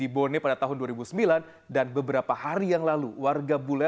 bagaimana apa yang terjadi